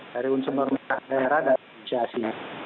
dari unsur unsur daerah dan asiasinya